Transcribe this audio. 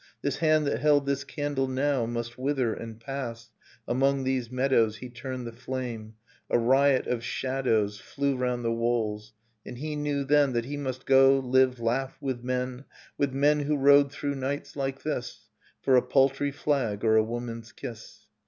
This hand that held this candle now, Must wither, and pass, among these meadows He turned the flame. A riot of shadows Flew round the walls. And he knew then That he must go, live, laugh, with men, — With men who rode through nights like this For a paltry flag or a woman's kiss.